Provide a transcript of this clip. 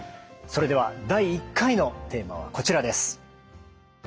それでは第１回のテーマはこちらです。